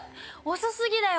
遅すぎだよ